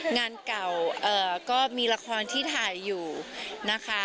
งานเก่าก็มีละครที่ถ่ายอยู่นะคะ